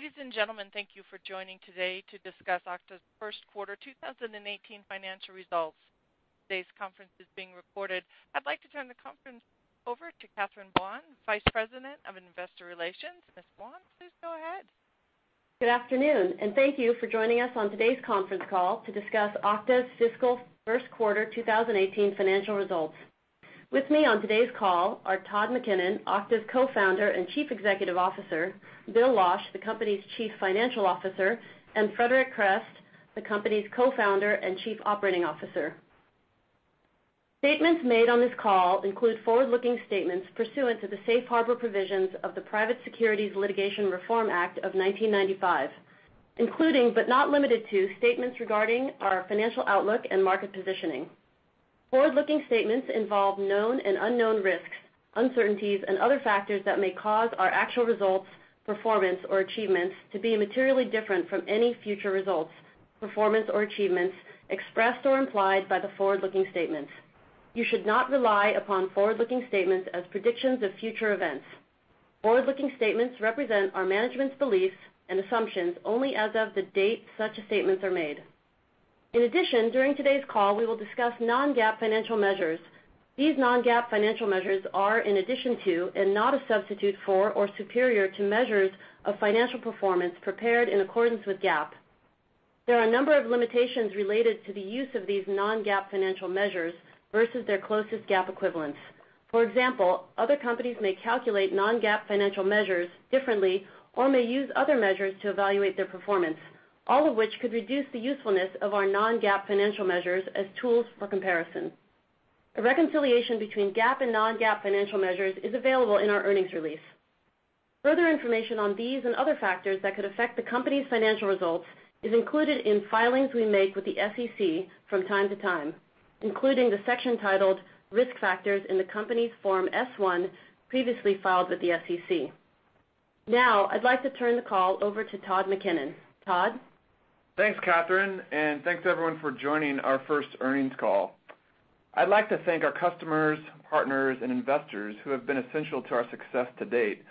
Ladies and gentlemen, thank you for joining today to discuss Okta's first quarter 2018 financial results. Today's conference is being recorded. I'd like to turn the conference over to Catherine Buan, Vice President of Investor Relations. Ms. Buan, please go ahead. Good afternoon, thank you for joining us on today's conference call to discuss Okta's fiscal first quarter 2018 financial results. With me on today's call are Todd McKinnon, Okta's Co-founder and Chief Executive Officer, Bill Losch, the company's Chief Financial Officer, and Frederic Kerrest, the company's Co-founder and Chief Operating Officer. Statements made on this call include forward-looking statements pursuant to the safe harbor provisions of the Private Securities Litigation Reform Act of 1995, including but not limited to, statements regarding our financial outlook and market positioning. Forward-looking statements involve known and unknown risks, uncertainties, and other factors that may cause our actual results, performance, or achievements to be materially different from any future results, performance or achievements expressed or implied by the forward-looking statements. You should not rely upon forward-looking statements as predictions of future events. Forward-looking statements represent our management's beliefs and assumptions only as of the date such statements are made. In addition, during today's call, we will discuss non-GAAP financial measures. These non-GAAP financial measures are in addition to, and not a substitute for or superior to measures of financial performance prepared in accordance with GAAP. There are a number of limitations related to the use of these non-GAAP financial measures versus their closest GAAP equivalents. For example, other companies may calculate non-GAAP financial measures differently or may use other measures to evaluate their performance, all of which could reduce the usefulness of our non-GAAP financial measures as tools for comparison. A reconciliation between GAAP and non-GAAP financial measures is available in our earnings release. Further information on these and other factors that could affect the company's financial results is included in filings we make with the SEC from time to time, including the section titled Risk Factors in the Company's Form S-1 previously filed with the SEC. I'd like to turn the call over to Todd McKinnon. Todd? Thanks, Catherine, and thanks, everyone, for joining our first earnings call. I'd like to thank our customers, partners, and investors who have been essential to our success to date.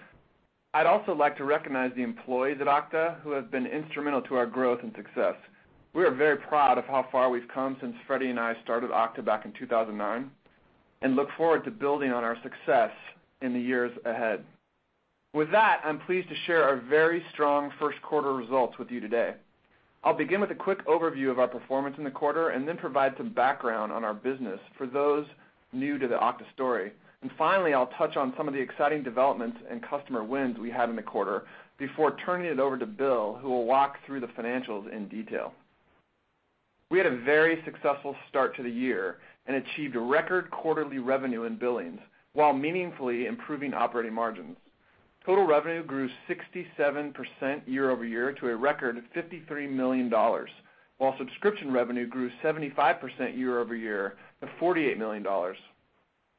I'd also like to recognize the employees at Okta who have been instrumental to our growth and success. We are very proud of how far we've come since Freddy and I started Okta back in 2009 and look forward to building on our success in the years ahead. With that, I'm pleased to share our very strong first quarter results with you today. I'll begin with a quick overview of our performance in the quarter and then provide some background on our business for those new to the Okta story. Finally, I'll touch on some of the exciting developments and customer wins we had in the quarter before turning it over to Bill, who will walk through the financials in detail. We had a very successful start to the year and achieved record quarterly revenue and billings while meaningfully improving operating margins. Total revenue grew 67% year-over-year to a record $53 million, while subscription revenue grew 75% year-over-year to $48 million.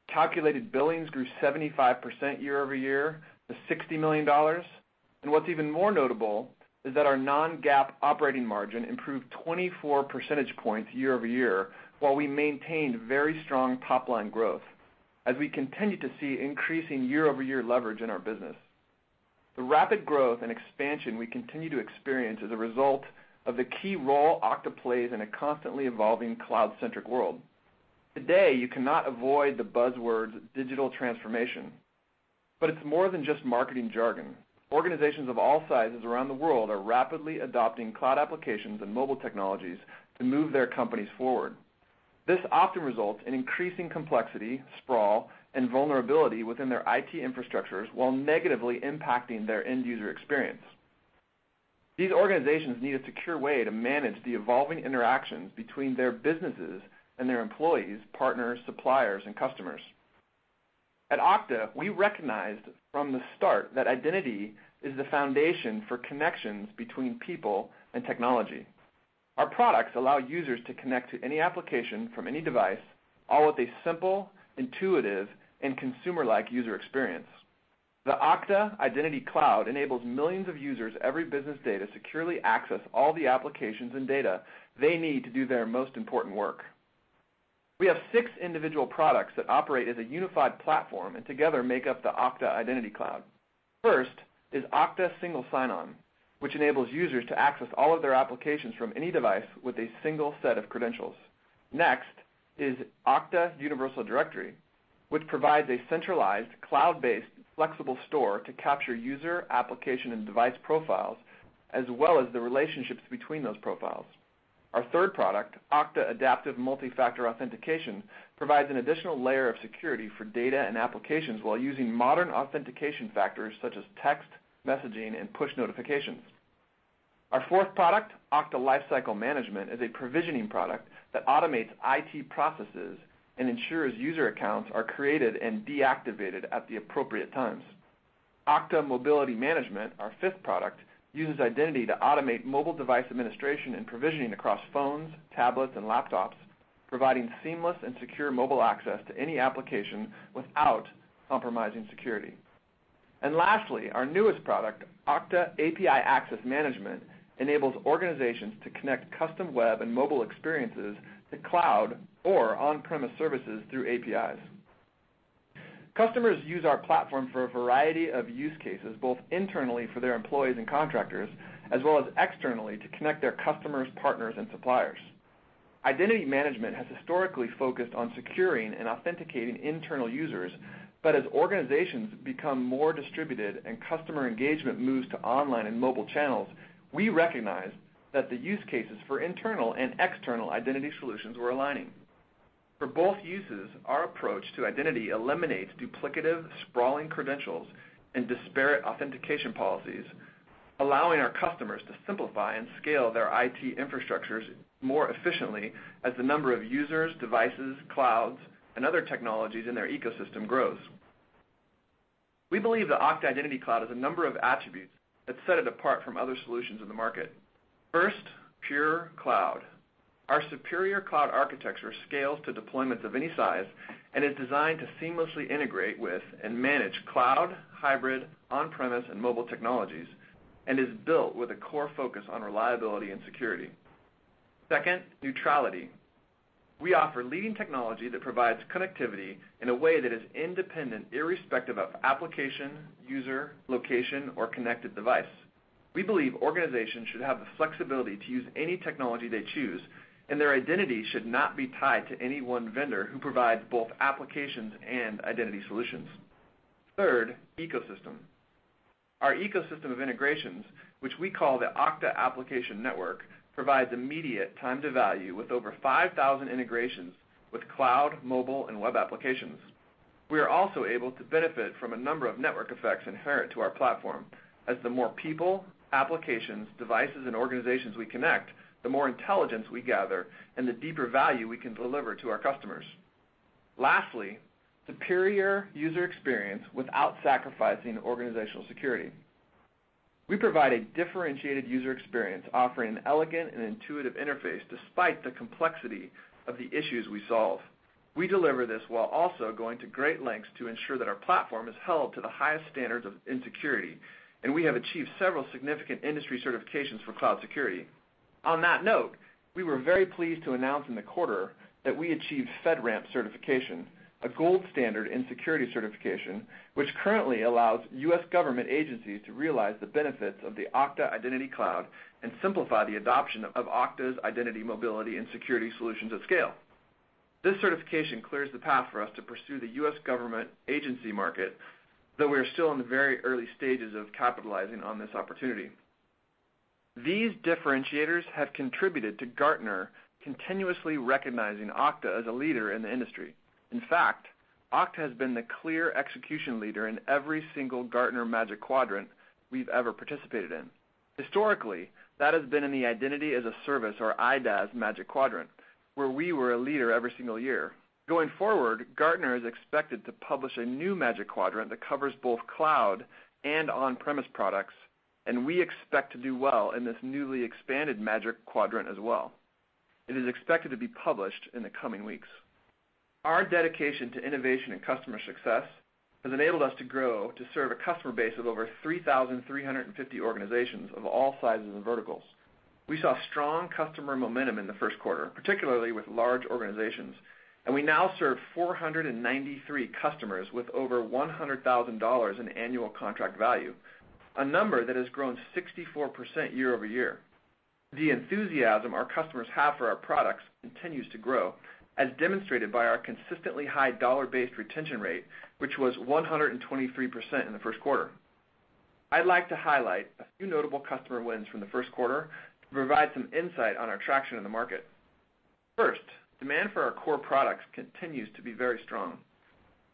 Calculated billings grew 75% year-over-year to $60 million. What's even more notable is that our non-GAAP operating margin improved 24 percentage points year-over-year while we maintained very strong top-line growth as we continue to see increasing year-over-year leverage in our business. The rapid growth and expansion we continue to experience is a result of the key role Okta plays in a constantly evolving cloud-centric world. Today, you cannot avoid the buzzword digital transformation. It's more than just marketing jargon. Organizations of all sizes around the world are rapidly adopting cloud applications and mobile technologies to move their companies forward. This often results in increasing complexity, sprawl, and vulnerability within their IT infrastructures while negatively impacting their end-user experience. These organizations need a secure way to manage the evolving interactions between their businesses and their employees, partners, suppliers, and customers. At Okta, we recognized from the start that identity is the foundation for connections between people and technology. Our products allow users to connect to any application from any device, all with a simple, intuitive, and consumer-like user experience. The Okta Identity Cloud enables millions of users every business day to securely access all the applications and data they need to do their most important work. We have six individual products that operate as a unified platform and together make up the Okta Identity Cloud. First is Okta Single Sign-On, which enables users to access all of their applications from any device with a single set of credentials. Next is Okta Universal Directory, which provides a centralized, cloud-based flexible store to capture user application and device profiles, as well as the relationships between those profiles. Our third product, Okta Adaptive Multi-Factor Authentication, provides an additional layer of security for data and applications while using modern authentication factors such as text messaging and push notifications. Our fourth product, Okta Lifecycle Management, is a provisioning product that automates IT processes and ensures user accounts are created and deactivated at the appropriate times. Okta Mobility Management, our fifth product, uses identity to automate mobile device administration and provisioning across phones, tablets, and laptops, providing seamless and secure mobile access to any application without compromising security. Lastly, our newest product, Okta API Access Management, enables organizations to connect custom web and mobile experiences to cloud or on-premise services through APIs. Customers use our platform for a variety of use cases, both internally for their employees and contractors, as well as externally to connect their customers, partners, and suppliers. Identity management has historically focused on securing and authenticating internal users, but as organizations become more distributed and customer engagement moves to online and mobile channels, we recognize that the use cases for internal and external identity solutions were aligning. For both uses, our approach to identity eliminates duplicative, sprawling credentials and disparate authentication policies, allowing our customers to simplify and scale their IT infrastructures more efficiently as the number of users, devices, clouds, and other technologies in their ecosystem grows. We believe the Okta Identity Cloud has a number of attributes that set it apart from other solutions in the market. First, pure cloud. Our superior cloud architecture scales to deployments of any size and is designed to seamlessly integrate with and manage cloud, hybrid, on-premise, and mobile technologies and is built with a core focus on reliability and security. Second, neutrality. We offer leading technology that provides connectivity in a way that is independent, irrespective of application, user, location, or connected device. We believe organizations should have the flexibility to use any technology they choose, and their identity should not be tied to any one vendor who provides both applications and identity solutions. Third, ecosystem. Our ecosystem of integrations, which we call the Okta Integration Network, provides immediate time to value with over 5,000 integrations with cloud, mobile, and web applications. We are also able to benefit from a number of network effects inherent to our platform, as the more people, applications, devices, and organizations we connect, the more intelligence we gather and the deeper value we can deliver to our customers. Lastly, superior user experience without sacrificing organizational security. We provide a differentiated user experience offering an elegant and intuitive interface despite the complexity of the issues we solve. We deliver this while also going to great lengths to ensure that our platform is held to the highest standards of security, and we have achieved several significant industry certifications for cloud security. On that note, we were very pleased to announce in the quarter that we achieved FedRAMP certification, a gold standard in security certification, which currently allows U.S. government agencies to realize the benefits of the Okta Identity Cloud and simplify the adoption of Okta's identity, mobility, and security solutions at scale. This certification clears the path for us to pursue the U.S. government agency market, though we are still in the very early stages of capitalizing on this opportunity. These differentiators have contributed to Gartner continuously recognizing Okta as a leader in the industry. In fact, Okta has been the clear execution leader in every single Gartner Magic Quadrant we've ever participated in. Historically, that has been in the Identity as a Service or IDaaS Magic Quadrant, where we were a leader every single year. Going forward, Gartner is expected to publish a new Magic Quadrant that covers both cloud and on-premise products, we expect to do well in this newly expanded Magic Quadrant as well. It is expected to be published in the coming weeks. Our dedication to innovation and customer success has enabled us to grow to serve a customer base of over 3,350 organizations of all sizes and verticals. We saw strong customer momentum in the first quarter, particularly with large organizations, we now serve 493 customers with over $100,000 in annual contract value, a number that has grown 64% year-over-year. The enthusiasm our customers have for our products continues to grow, as demonstrated by our consistently high dollar-based retention rate, which was 123% in the first quarter. I'd like to highlight a few notable customer wins from the first quarter to provide some insight on our traction in the market. First, demand for our core products continues to be very strong.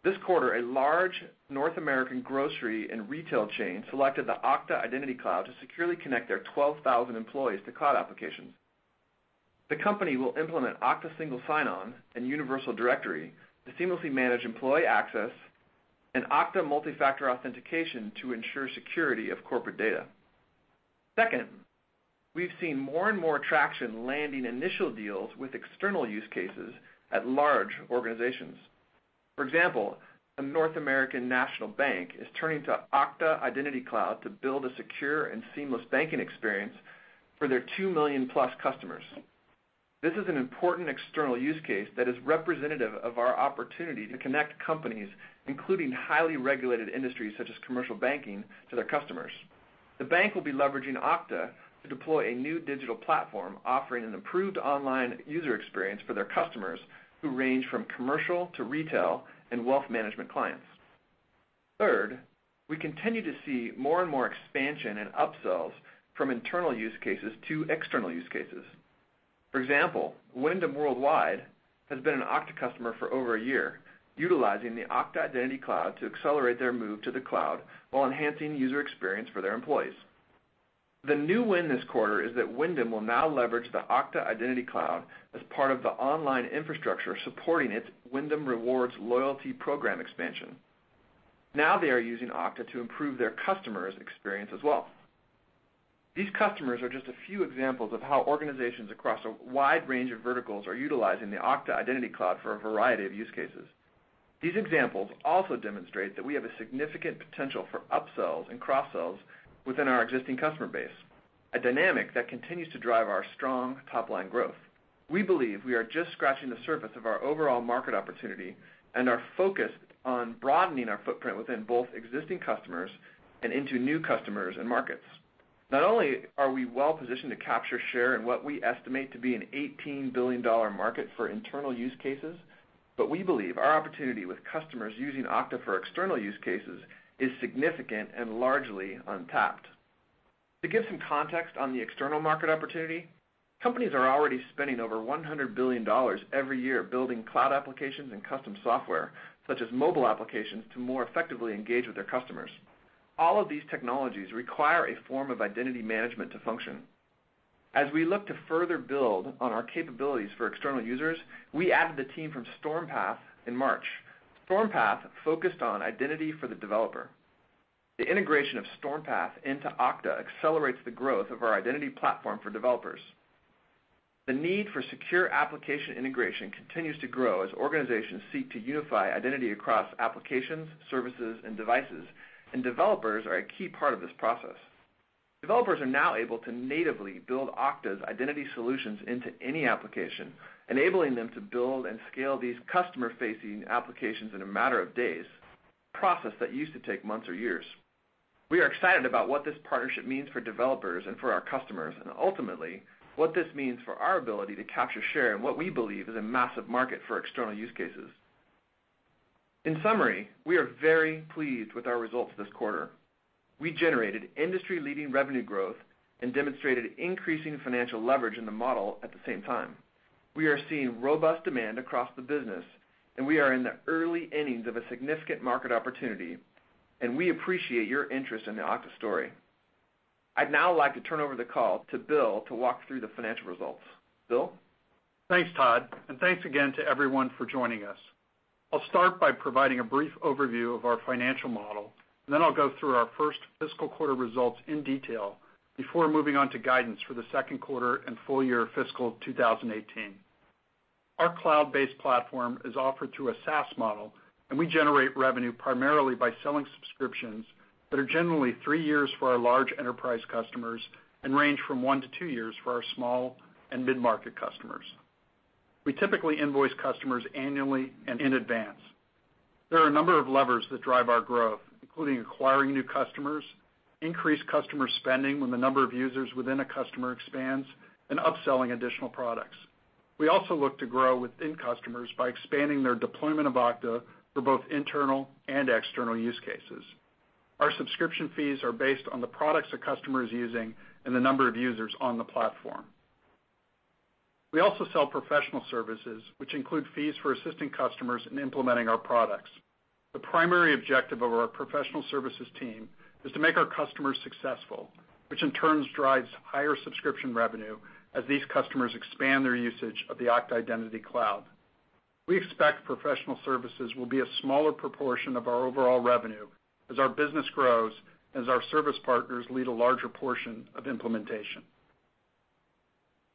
This quarter, a large North American grocery and retail chain selected the Okta Identity Cloud to securely connect their 12,000 employees to cloud applications. The company will implement Okta Single Sign-On and Universal Directory to seamlessly manage employee access and Okta Multi-Factor Authentication to ensure security of corporate data. Second, we've seen more and more traction landing initial deals with external use cases at large organizations. For example, a North American national bank is turning to Okta Identity Cloud to build a secure and seamless banking experience for their 2 million+ customers. This is an important external use case that is representative of our opportunity to connect companies, including highly regulated industries such as commercial banking, to their customers. The bank will be leveraging Okta to deploy a new digital platform offering an improved online user experience for their customers who range from commercial to retail and wealth management clients. Third, we continue to see more and more expansion and upsells from internal use cases to external use cases. For example, Wyndham Worldwide has been an Okta customer for over a year, utilizing the Okta Identity Cloud to accelerate their move to the cloud while enhancing user experience for their employees. The new win this quarter is that Wyndham will now leverage the Okta Identity Cloud as part of the online infrastructure supporting its Wyndham Rewards loyalty program expansion. They are using Okta to improve their customers' experience as well. These customers are just a few examples of how organizations across a wide range of verticals are utilizing the Okta Identity Cloud for a variety of use cases. These examples also demonstrate that we have a significant potential for upsells and cross-sells within our existing customer base. A dynamic that continues to drive our strong top-line growth. We believe we are just scratching the surface of our overall market opportunity and are focused on broadening our footprint within both existing customers and into new customers and markets. Not only are we well-positioned to capture share in what we estimate to be an $18 billion market for internal use cases, but we believe our opportunity with customers using Okta for external use cases is significant and largely untapped. To give some context on the external market opportunity, companies are already spending over $100 billion every year building cloud applications and custom software, such as mobile applications, to more effectively engage with their customers. All of these technologies require a form of identity management to function. As we look to further build on our capabilities for external users, we added the team from Stormpath in March. Stormpath focused on identity for the developer. The integration of Stormpath into Okta accelerates the growth of our identity platform for developers. The need for secure application integration continues to grow as organizations seek to unify identity across applications, services, and devices, developers are a key part of this process. Developers are now able to natively build Okta's identity solutions into any application, enabling them to build and scale these customer-facing applications in a matter of days, a process that used to take months or years. We are excited about what this partnership means for developers and for our customers, and ultimately, what this means for our ability to capture, share, and what we believe is a massive market for external use cases. In summary, we are very pleased with our results this quarter. We generated industry-leading revenue growth and demonstrated increasing financial leverage in the model at the same time. We are seeing robust demand across the business, we are in the early innings of a significant market opportunity, we appreciate your interest in the Okta story. I'd now like to turn over the call to Bill to walk through the financial results. Bill? Thanks, Todd, thanks again to everyone for joining us. I'll start by providing a brief overview of our financial model, then I'll go through our first fiscal quarter results in detail before moving on to guidance for the second quarter and full year fiscal 2018. Our cloud-based platform is offered through a SaaS model, we generate revenue primarily by selling subscriptions that are generally three years for our large enterprise customers and range from one to two years for our small and mid-market customers. We typically invoice customers annually and in advance. There are a number of levers that drive our growth, including acquiring new customers, increased customer spending when the number of users within a customer expands, and upselling additional products. We also look to grow within customers by expanding their deployment of Okta for both internal and external use cases. Our subscription fees are based on the products a customer is using and the number of users on the platform. We also sell professional services, which include fees for assisting customers in implementing our products. The primary objective of our professional services team is to make our customers successful, which in turn drives higher subscription revenue as these customers expand their usage of the Okta Identity Cloud. We expect professional services will be a smaller proportion of our overall revenue as our business grows, as our service partners lead a larger portion of implementation.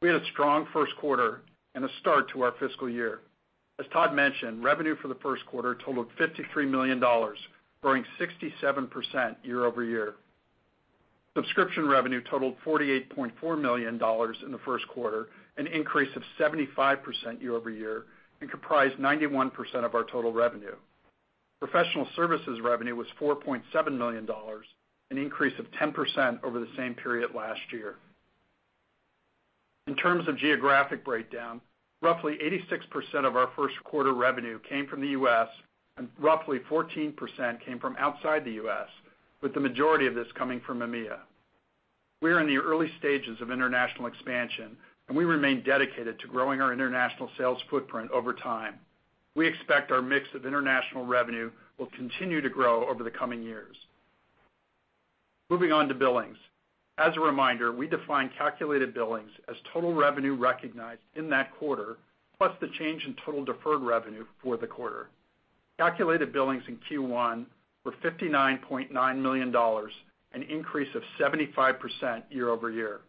We had a strong first quarter and a start to our fiscal year. As Todd mentioned, revenue for the first quarter totaled $53 million, growing 67% year-over-year. Subscription revenue totaled $48.4 million in the first quarter, an increase of 75% year-over-year, and comprised 91% of our total revenue. Professional services revenue was $4.7 million, an increase of 10% over the same period last year. In terms of geographic breakdown, roughly 86% of our first quarter revenue came from the U.S., and roughly 14% came from outside the U.S., with the majority of this coming from EMEA. We are in the early stages of international expansion. We remain dedicated to growing our international sales footprint over time. We expect our mix of international revenue will continue to grow over the coming years. Moving on to billings. As a reminder, we define calculated billings as total revenue recognized in that quarter, plus the change in total deferred revenue for the quarter. Calculated billings in Q1 were $59.9 million, an increase of 75% year-over-year.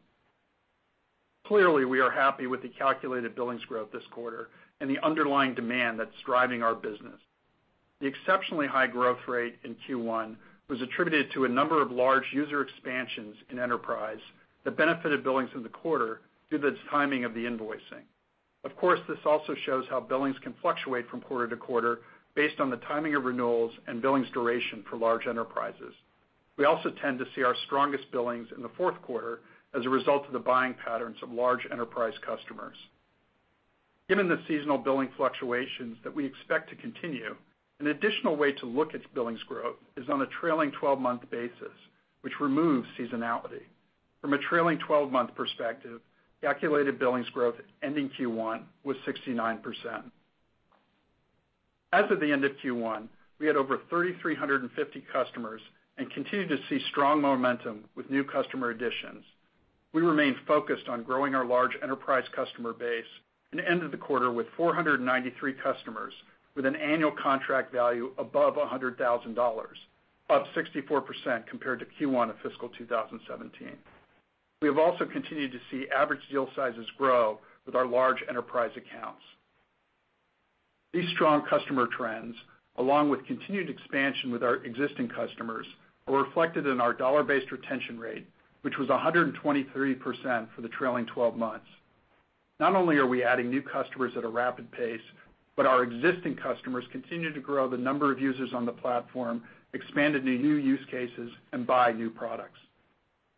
Clearly, we are happy with the calculated billings growth this quarter and the underlying demand that's driving our business. The exceptionally high growth rate in Q1 was attributed to a number of large user expansions in enterprise that benefited billings in the quarter due to the timing of the invoicing. Of course, this also shows how billings can fluctuate from quarter to quarter based on the timing of renewals and billings duration for large enterprises. We also tend to see our strongest billings in the fourth quarter as a result of the buying patterns of large enterprise customers. Given the seasonal billing fluctuations that we expect to continue, an additional way to look at billings growth is on a trailing 12-month basis, which removes seasonality. From a trailing 12-month perspective, calculated billings growth ending Q1 was 69%. As of the end of Q1, we had over 3,350 customers and continue to see strong momentum with new customer additions. We remain focused on growing our large enterprise customer base and ended the quarter with 493 customers with an annual contract value above $100,000, up 64% compared to Q1 of fiscal 2017. We have also continued to see average deal sizes grow with our large enterprise accounts. These strong customer trends, along with continued expansion with our existing customers, are reflected in our dollar-based retention rate, which was 123% for the trailing 12 months. Not only are we adding new customers at a rapid pace, but our existing customers continue to grow the number of users on the platform, expand into new use cases, and buy new products.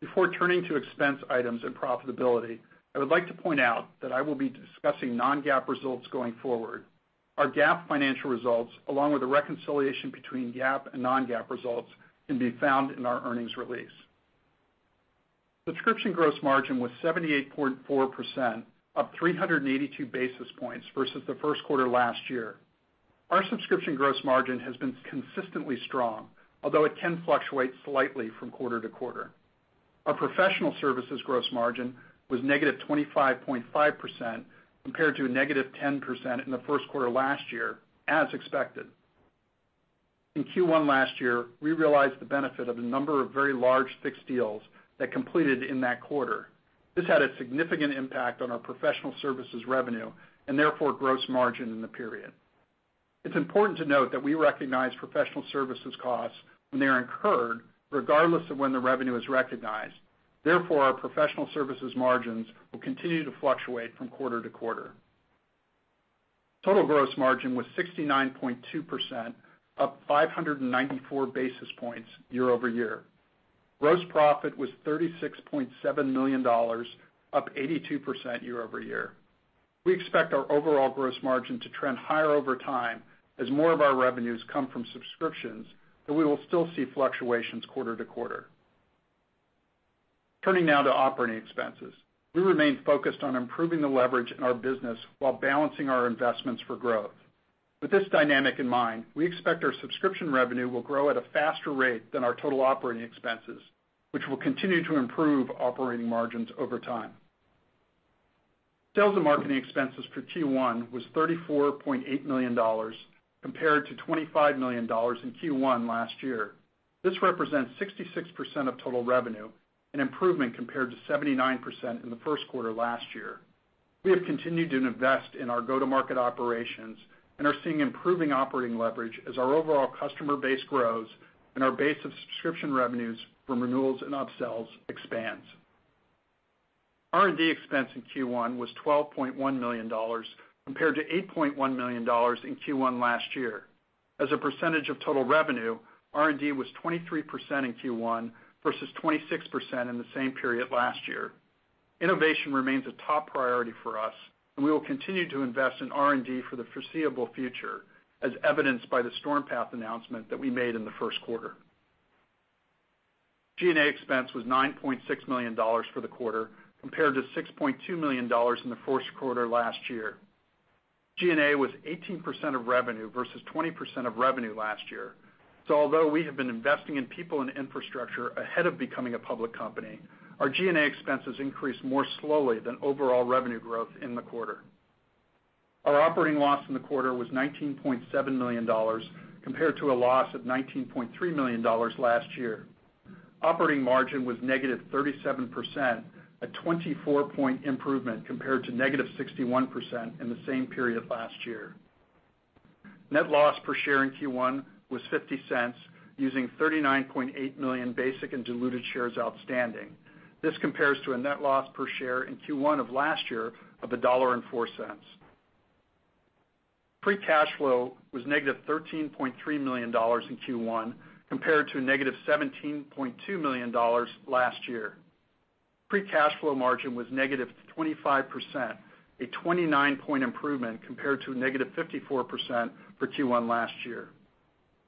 Before turning to expense items and profitability, I would like to point out that I will be discussing non-GAAP results going forward. Our GAAP financial results, along with the reconciliation between GAAP and non-GAAP results, can be found in our earnings release. Subscription gross margin was 78.4%, up 382 basis points versus the first quarter last year. Our subscription gross margin has been consistently strong, although it can fluctuate slightly from quarter to quarter. Our professional services gross margin was negative 25.5%, compared to negative 10% in the first quarter last year, as expected. In Q1 last year, we realized the benefit of a number of very large fixed deals that completed in that quarter. This had a significant impact on our professional services revenue and therefore gross margin in the period. It's important to note that we recognize professional services costs when they are incurred, regardless of when the revenue is recognized. Therefore, our professional services margins will continue to fluctuate from quarter to quarter. Total gross margin was 69.2%, up 594 basis points year-over-year. Gross profit was $36.7 million, up 82% year-over-year. We expect our overall gross margin to trend higher over time as more of our revenues come from subscriptions, though we will still see fluctuations quarter to quarter. Turning now to operating expenses. We remain focused on improving the leverage in our business while balancing our investments for growth. With this dynamic in mind, we expect our subscription revenue will grow at a faster rate than our total operating expenses, which will continue to improve operating margins over time. Sales and marketing expenses for Q1 was $34.8 million compared to $25 million in Q1 last year. This represents 66% of total revenue, an improvement compared to 79% in the first quarter last year. We have continued to invest in our go-to-market operations and are seeing improving operating leverage as our overall customer base grows and our base of subscription revenues from renewals and upsells expands. R&D expense in Q1 was $12.1 million, compared to $8.1 million in Q1 last year. As a percentage of total revenue, R&D was 23% in Q1 versus 26% in the same period last year. Innovation remains a top priority for us, and we will continue to invest in R&D for the foreseeable future, as evidenced by the Stormpath announcement that we made in the first quarter. G&A expense was $9.6 million for the quarter, compared to $6.2 million in the first quarter last year. G&A was 18% of revenue versus 20% of revenue last year. Although we have been investing in people and infrastructure ahead of becoming a public company, our G&A expenses increased more slowly than overall revenue growth in the quarter. Our operating loss in the quarter was $19.7 million, compared to a loss of $19.3 million last year. Operating margin was negative 37%, a 24-point improvement compared to negative 61% in the same period last year. Net loss per share in Q1 was $0.50, using 39.8 million basic and diluted shares outstanding. This compares to a net loss per share in Q1 of last year of $1.04. Free cash flow was negative $13.3 million in Q1, compared to negative $17.2 million last year. Free cash flow margin was negative 25%, a 29-point improvement compared to negative 54% for Q1 last year.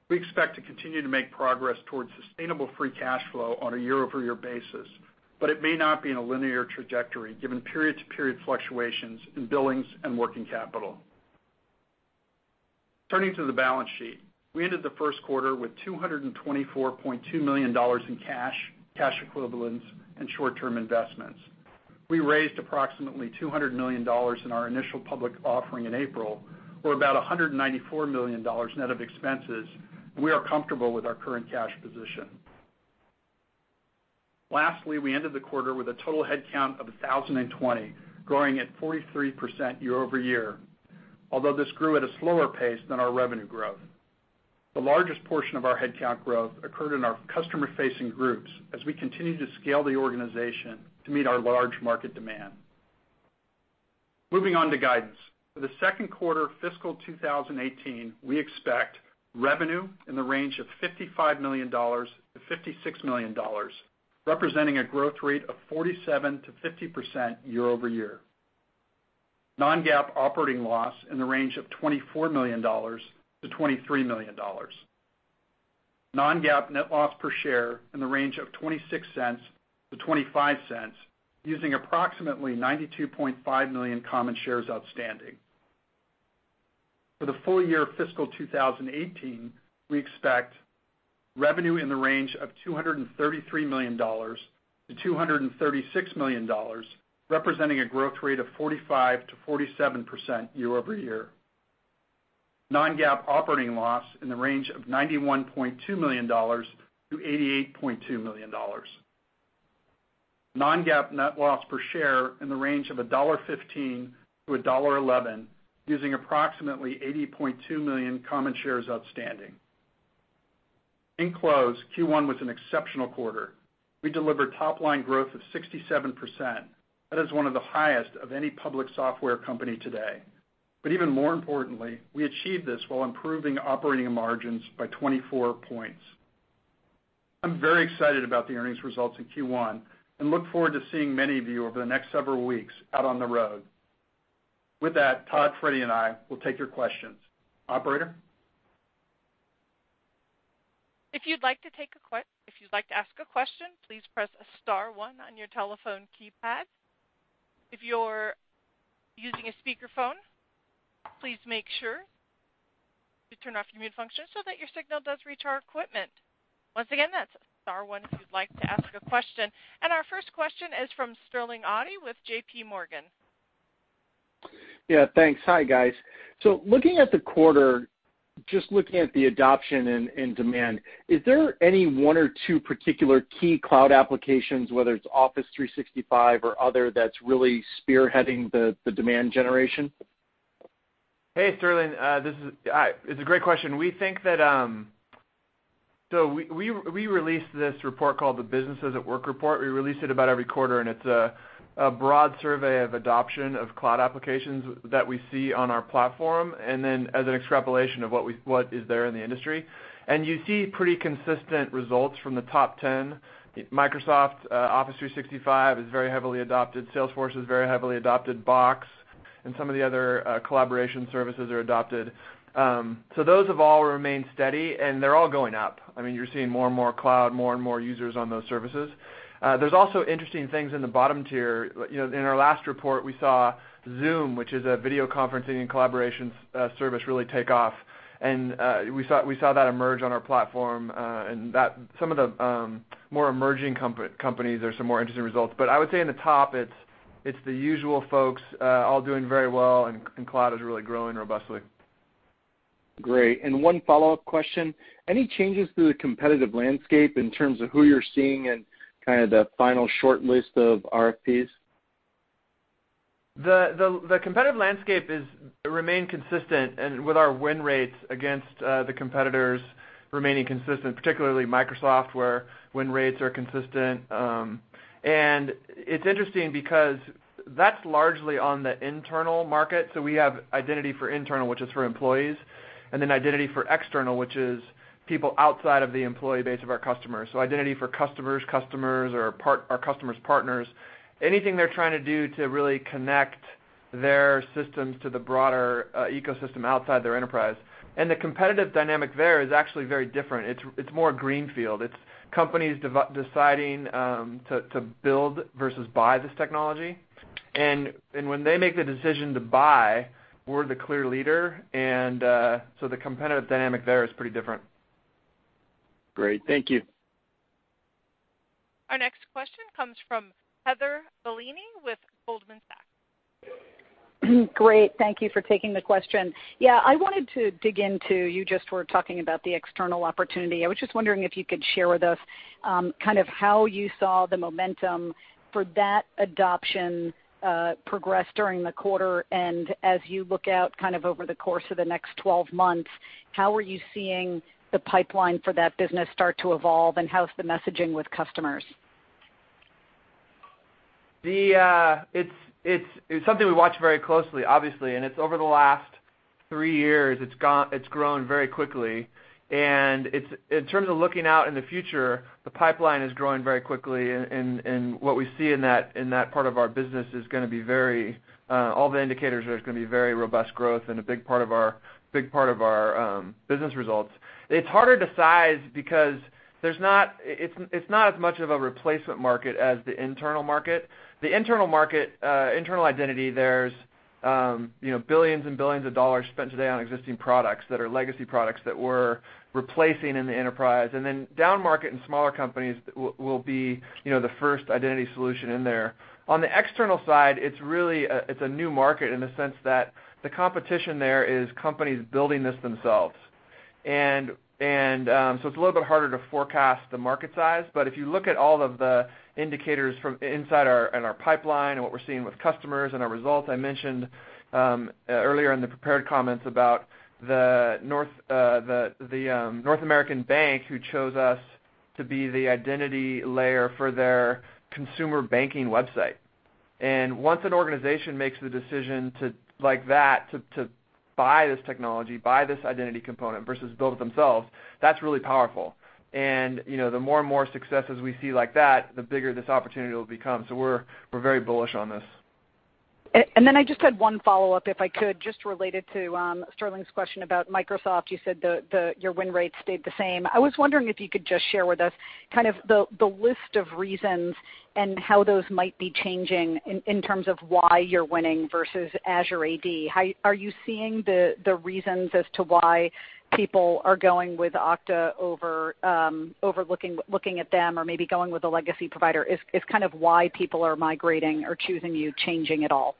We expect to continue to make progress towards sustainable free cash flow on a year-over-year basis, but it may not be in a linear trajectory given period-to-period fluctuations in billings and working capital. Turning to the balance sheet. We ended the first quarter with $224.2 million in cash equivalents, and short-term investments. We raised approximately $200 million in our initial public offering in April, or about $194 million net of expenses, and we are comfortable with our current cash position. Lastly, we ended the quarter with a total headcount of 1,020, growing at 43% year-over-year, although this grew at a slower pace than our revenue growth. The largest portion of our headcount growth occurred in our customer-facing groups as we continue to scale the organization to meet our large market demand. Moving on to guidance. For the second quarter of fiscal 2018, we expect revenue in the range of $55 million to $56 million, representing a growth rate of 47%-50% year-over-year. Non-GAAP operating loss in the range of $24 million to $23 million. Non-GAAP net loss per share in the range of $0.26 to $0.25, using approximately 92.5 million common shares outstanding. For the full year fiscal 2018, we expect revenue in the range of $233 million to $236 million, representing a growth rate of 45%-47% year-over-year. Non-GAAP operating loss in the range of $91.2 million to $88.2 million. Non-GAAP net loss per share in the range of $1.15 to $1.11, using approximately 80.2 million common shares outstanding. In close, Q1 was an exceptional quarter. We delivered top-line growth of 67%. That is one of the highest of any public software company today. Even more importantly, we achieved this while improving operating margins by 24 points. I'm very excited about the earnings results in Q1, and look forward to seeing many of you over the next several weeks out on the road. With that, Todd, Freddy, and I will take your questions. Operator? If you'd like to ask a question, please press *1 on your telephone keypad. If you're using a speakerphone, please make sure to turn off your mute function so that your signal does reach our equipment. Once again, that's *1 if you'd like to ask a question. Our first question is from Sterling Auty with JPMorgan. Thanks. Hi, guys. Looking at the quarter, just looking at the adoption and demand, is there any one or two particular key cloud applications, whether it's Office 365 or other, that's really spearheading the demand generation? Hey, Sterling. It's a great question. We released this report called the Businesses at Work report. We release it about every quarter. It's a broad survey of adoption of cloud applications that we see on our platform, then as an extrapolation of what is there in the industry. You see pretty consistent results from the top 10. Microsoft Office 365 is very heavily adopted. Salesforce is very heavily adopted. Box and some of the other collaboration services are adopted. Those have all remained steady, and they're all going up. You're seeing more and more cloud, more and more users on those services. There's also interesting things in the bottom tier. In our last report, we saw Zoom, which is a video conferencing and collaboration service, really take off. We saw that emerge on our platform, and some of the more emerging companies, there's some more interesting results. I would say in the top, it's the usual folks all doing very well, and cloud is really growing robustly. Great. One follow-up question. Any changes to the competitive landscape in terms of who you're seeing and kind of the final short list of RFPs? The competitive landscape has remained consistent, with our win rates against the competitors remaining consistent, particularly Microsoft, where win rates are consistent. It's interesting because that's largely on the internal market. We have identity for internal, which is for employees, then identity for external, which is people outside of the employee base of our customers. Identity for customers, or our customers' partners. Anything they're trying to do to really connect their systems to the broader ecosystem outside their enterprise. The competitive dynamic there is actually very different. It's more greenfield. It's companies deciding to build versus buy this technology. When they make the decision to buy, we're the clear leader, the competitive dynamic there is pretty different. Great. Thank you. Our next question comes from Heather Bellini with Goldman Sachs. Great. Thank you for taking the question. Yeah, I wanted to dig into, you just were talking about the external opportunity. I was just wondering if you could share with us how you saw the momentum for that adoption progress during the quarter, and as you look out over the course of the next 12 months, how are you seeing the pipeline for that business start to evolve, and how's the messaging with customers? It's something we watch very closely, obviously. Over the last three years, it's grown very quickly. In terms of looking out in the future, the pipeline is growing very quickly, and what we see in that part of our business, all the indicators are it's going to be very robust growth and a big part of our business results. It's harder to size because it's not as much of a replacement market as the internal market. The internal market, internal identity, there's billions and billions of dollars spent today on existing products that are legacy products that we're replacing in the enterprise. Then down market in smaller companies, we'll be the first identity solution in there. On the external side, it's a new market in the sense that the competition there is companies building this themselves. It's a little bit harder to forecast the market size. If you look at all of the indicators from inside and our pipeline and what we're seeing with customers and our results, I mentioned earlier in the prepared comments about the North American bank who chose us to be the identity layer for their consumer banking website. Once an organization makes the decision like that to buy this technology, buy this identity component versus build it themselves, that's really powerful. The more and more successes we see like that, the bigger this opportunity will become. We're very bullish on this. I just had one follow-up, if I could, just related to Sterling's question about Microsoft. You said your win rates stayed the same. I was wondering if you could just share with us the list of reasons and how those might be changing in terms of why you're winning versus Azure AD. Are you seeing the reasons as to why people are going with Okta over looking at them or maybe going with a legacy provider? Is why people are migrating or choosing you changing at all?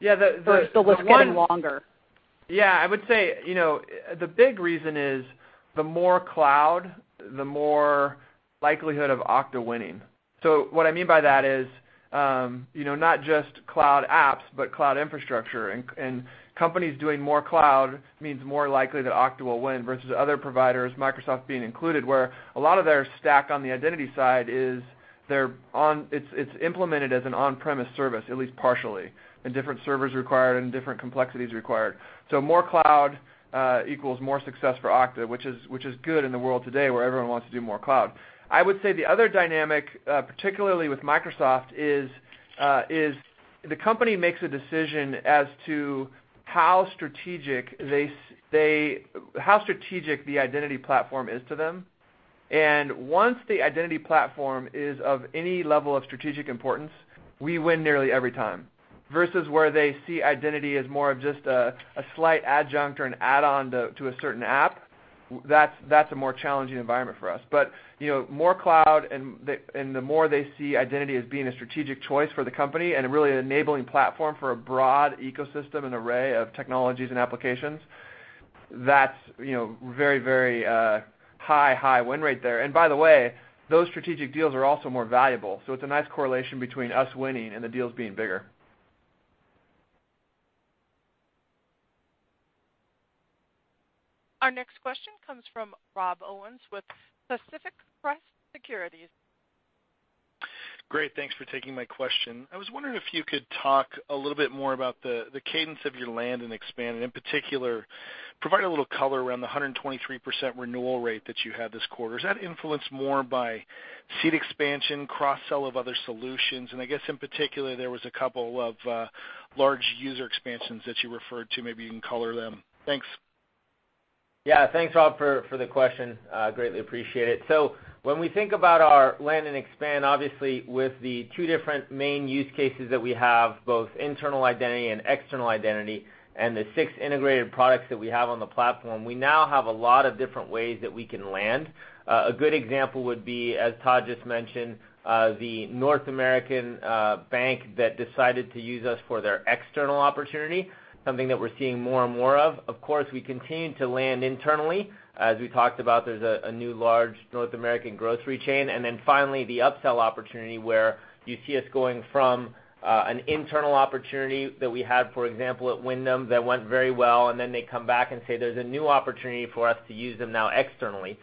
Yeah. Is the list getting longer? Yeah, I would say, the big reason is the more cloud, the more likelihood of Okta winning. What I mean by that is, not just cloud apps, but cloud infrastructure. Companies doing more cloud means more likely that Okta will win versus other providers, Microsoft being included, where a lot of their stack on the identity side is it's implemented as an on-premise service, at least partially, and different servers required and different complexities required. More cloud equals more success for Okta, which is good in the world today where everyone wants to do more cloud. I would say the other dynamic, particularly with Microsoft, is the company makes a decision as to how strategic the identity platform is to them. Once the identity platform is of any level of strategic importance, we win nearly every time. Versus where they see identity as more of just a slight adjunct or an add-on to a certain app, that's a more challenging environment for us. More cloud and the more they see identity as being a strategic choice for the company and really enabling platform for a broad ecosystem and array of technologies and applications, that's very high win rate there. By the way, those strategic deals are also more valuable. It's a nice correlation between us winning and the deals being bigger. Our next question comes from Rob Owens with Pacific Crest Securities. Great. Thanks for taking my question. I was wondering if you could talk a little bit more about the cadence of your land and expand, and in particular, provide a little color around the 123% renewal rate that you had this quarter. Is that influenced more by seat expansion, cross-sell of other solutions? I guess in particular, there was a couple of large user expansions that you referred to. Maybe you can color them. Thanks. Yeah. Thanks, Rob, for the question. Greatly appreciate it. When we think about our land and expand, obviously with the two different main use cases that we have, both internal identity and external identity, and the six integrated products that we have on the platform, we now have a lot of different ways that we can land. A good example would be, as Todd just mentioned, the North American bank that decided to use us for their external opportunity, something that we're seeing more and more of. Of course, we continue to land internally. As we talked about, there's a new large North American grocery chain. Finally, the up-sell opportunity where you see us going from an internal opportunity that we had, for example, at Wyndham, that went very well, and then they come back and say there's a new opportunity for us to use them now externally.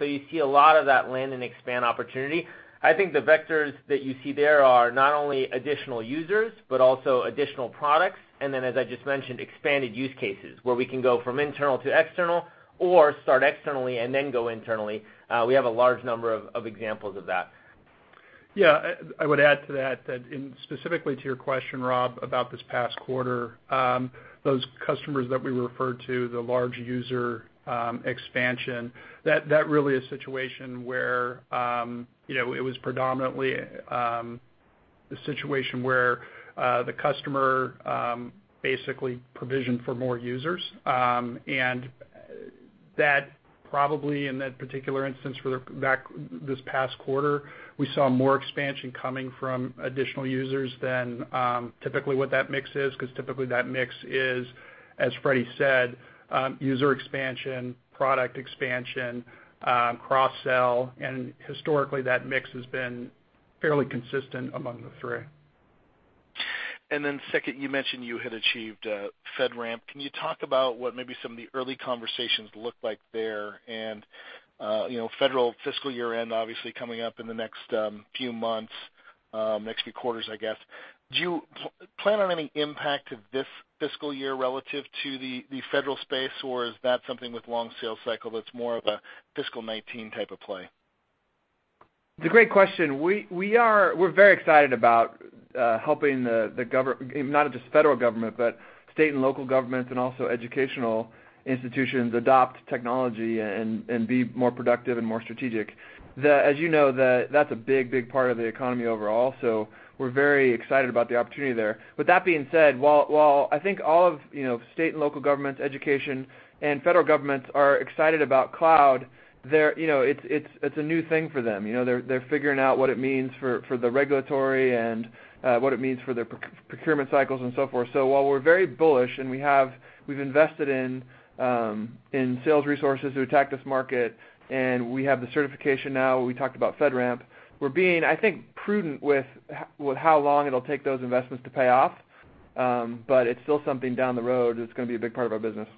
You see a lot of that land and expand opportunity. I think the vectors that you see there are not only additional users, but also additional products. As I just mentioned, expanded use cases, where we can go from internal to external or start externally and then go internally. We have a large number of examples of that. I would add to that, specifically to your question, Rob, about this past quarter, those customers that we referred to, the large user expansion, that really a situation where it was predominantly the situation where the customer basically provisioned for more users. That probably in that particular instance for this past quarter, we saw more expansion coming from additional users than typically what that mix is, because typically that mix is, as Freddy said, user expansion, product expansion, cross-sell, and historically, that mix has been fairly consistent among the three. Second, you mentioned you had achieved FedRAMP. Can you talk about what maybe some of the early conversations look like there? Federal fiscal year-end obviously coming up in the next few months, next few quarters, I guess. Do you plan on any impact to this fiscal year relative to the federal space, or is that something with long sales cycle that's more of a fiscal 2019 type of play? It's a great question. We're very excited about helping the government, not just federal government, but state and local governments and also educational institutions adopt technology and be more productive and more strategic. As you know, that's a big part of the economy overall. We're very excited about the opportunity there. With that being said, while I think all of state and local governments, education, and federal governments are excited about cloud, it's a new thing for them. They're figuring out what it means for the regulatory and what it means for their procurement cycles and so forth. While we're very bullish, and we've invested in sales resources to attack this market, and we have the certification now, we talked about FedRAMP, we're being, I think, prudent with how long it'll take those investments to pay off. It's still something down the road that's going to be a big part of our business.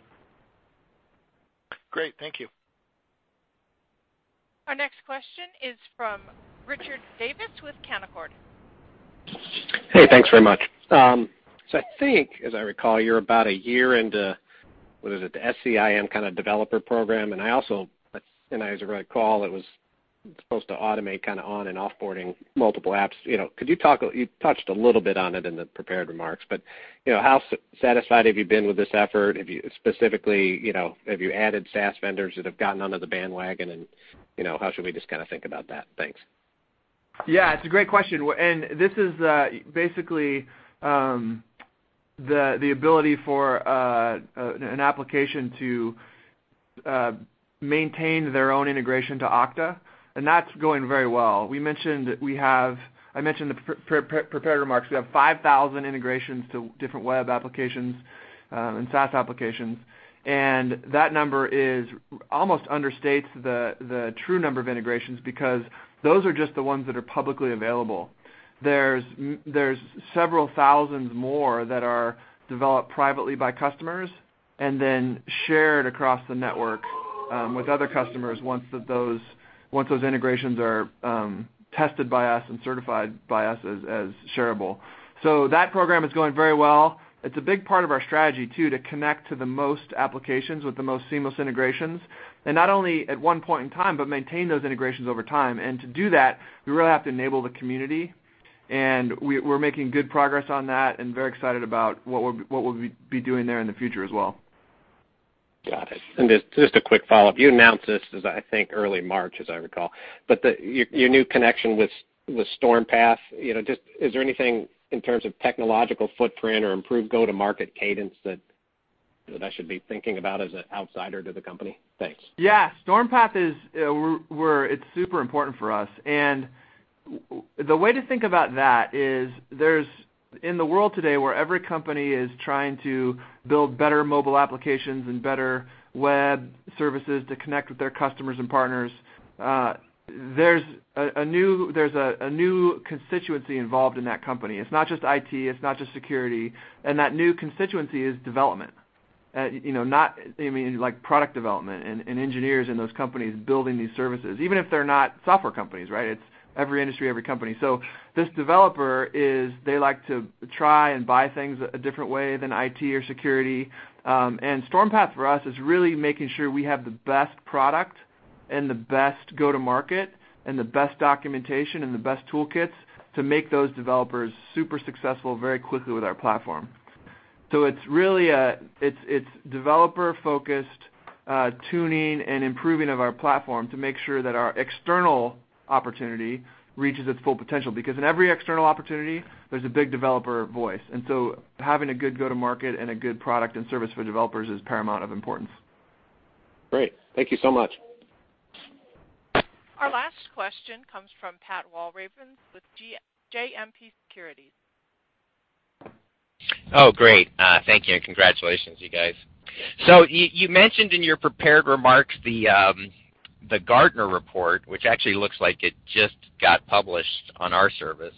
Great. Thank you. Our next question is from Richard Davis with Canaccord. Hey, thanks very much. I think, as I recall, you're about a year into, what is it, the SCIM developer program. I also, as I recall, it was supposed to automate on and off-boarding multiple apps. You touched a little bit on it in the prepared remarks, but how satisfied have you been with this effort? Specifically, have you added SaaS vendors that have gotten onto the bandwagon? How should we just think about that? Thanks. Yeah, it's a great question. This is basically the ability for an application to maintain their own integration to Okta, and that's going very well. I mentioned in the prepared remarks, we have 5,000 integrations to different web applications and SaaS applications, and that number almost understates the true number of integrations because those are just the ones that are publicly available. There's several thousand more that are developed privately by customers and then shared across the network with other customers once those integrations are tested by us and certified by us as shareable. That program is going very well. It's a big part of our strategy, too, to connect to the most applications with the most seamless integrations. Not only at one point in time, but maintain those integrations over time. To do that, we really have to enable the community, and we're making good progress on that and very excited about what we'll be doing there in the future as well. Got it. Just a quick follow-up. You announced this as, I think, early March, as I recall. Your new connection with Stormpath, just is there anything in terms of technological footprint or improved go-to-market cadence that I should be thinking about as an outsider to the company? Thanks. Yeah. Stormpath, it's super important for us. The way to think about that is in the world today, where every company is trying to build better mobile applications and better web services to connect with their customers and partners, there's a new constituency involved in that company. It's not just IT, it's not just security, and that new constituency is development. Like product development and engineers in those companies building these services. Even if they're not software companies, right? It's every industry, every company. This developer, they like to try and buy things a different way than IT or security. Stormpath for us is really making sure we have the best product and the best go-to-market, and the best documentation and the best toolkits to make those developers super successful very quickly with our platform. It's developer-focused tuning and improving of our platform to make sure that our external opportunity reaches its full potential, because in every external opportunity, there's a big developer voice. Having a good go-to-market and a good product and service for developers is paramount of importance. Great. Thank you so much. Our last question comes from Pat Walravens with JMP Securities. Great. Thank you, and congratulations, you guys. You mentioned in your prepared remarks the Gartner report, which actually looks like it just got published on our service.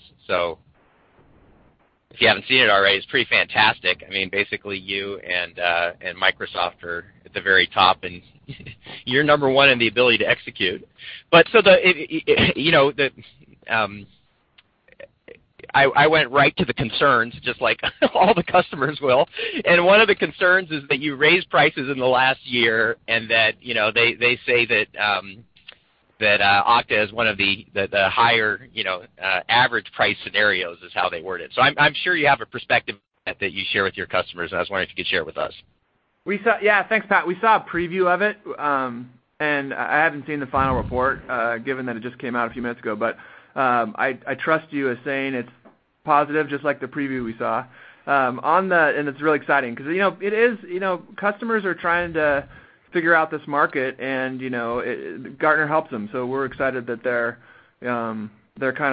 If you haven't seen it already, it's pretty fantastic. Basically, you and Microsoft are at the very top, and you're number one in the ability to execute. I went right to the concerns, just like all the customers will. One of the concerns is that you raised prices in the last year and that they say that Okta is one of the higher average price scenarios, is how they worded it. I'm sure you have a perspective that you share with your customers, and I was wondering if you could share it with us. Yeah. Thanks, Pat. We saw a preview of it, and I haven't seen the final report, given that it just came out a few minutes ago. I trust you as saying it's positive, just like the preview we saw. It's really exciting because customers are trying to figure out this market, and Gartner helps them. We're excited that they're kind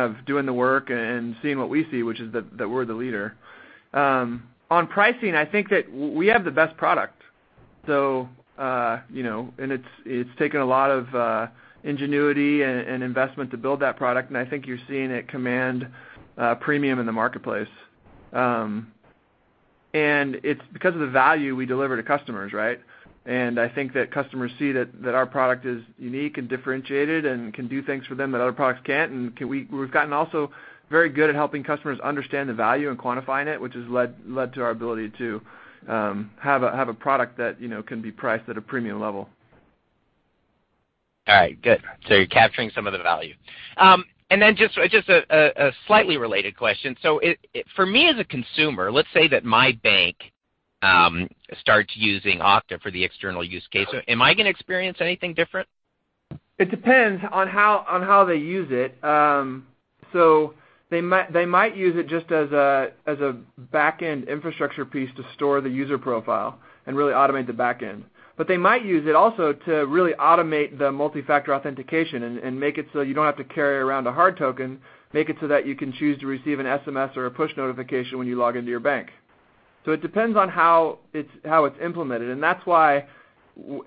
of doing the work and seeing what we see, which is that we're the leader. On pricing, I think that we have the best product. It's taken a lot of ingenuity and investment to build that product, and I think you're seeing it command a premium in the marketplace. It's because of the value we deliver to customers, right? I think that customers see that our product is unique and differentiated and can do things for them that other products can't. We've gotten also very good at helping customers understand the value and quantifying it, which has led to our ability to have a product that can be priced at a premium level. All right, good. You're capturing some of the value. Just a slightly related question. For me as a consumer, let's say that my bank starts using Okta for the external use case. Am I going to experience anything different? It depends on how they use it. They might use it just as a back-end infrastructure piece to store the user profile and really automate the back end. They might use it also to really automate the multi-factor authentication and make it so that you don't have to carry around a hard token, make it so that you can choose to receive an SMS or a push notification when you log into your bank. It depends on how it's implemented, and that's why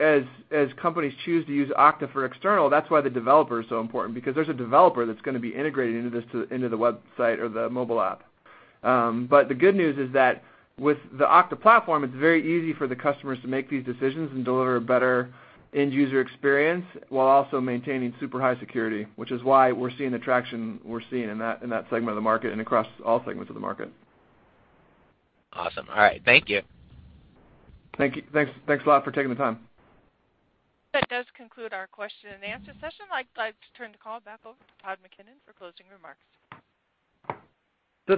as companies choose to use Okta for external, that's why the developer is so important, because there's a developer that's going to be integrating into the website or the mobile app. The good news is that with the Okta platform, it's very easy for the customers to make these decisions and deliver a better end user experience while also maintaining super high security, which is why we're seeing the traction we're seeing in that segment of the market and across all segments of the market. Awesome. All right. Thank you. Thanks a lot for taking the time. That does conclude our question and answer session. I'd like to turn the call back over to Todd McKinnon for closing remarks.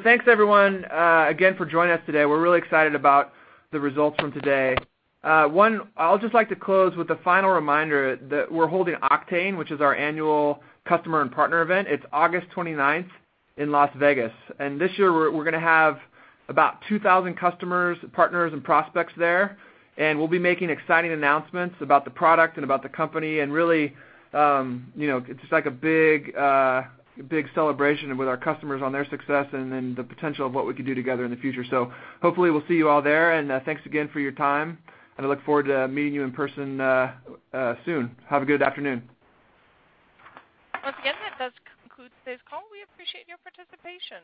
Thanks, everyone, again for joining us today. We're really excited about the results from today. I'd just like to close with a final reminder that we're holding Oktane, which is our annual customer and partner event. It's August 29th in Las Vegas, and this year we're going to have about 2,000 customers, partners, and prospects there. We'll be making exciting announcements about the product and about the company, and really it's just like a big celebration with our customers on their success and the potential of what we can do together in the future. Hopefully we'll see you all there, and thanks again for your time, and I look forward to meeting you in person soon. Have a good afternoon. Once again, that does conclude today's call. We appreciate your participation.